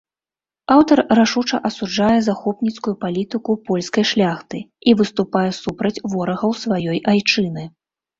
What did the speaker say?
Аўтар рашуча асуджае захопніцкую палітыку польскай шляхты і выступае супраць ворагаў сваёй айчыны.